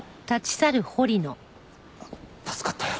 助かったよ。